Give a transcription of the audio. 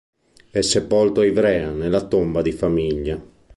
È sepolto a Ivrea, nella tomba di famiglia.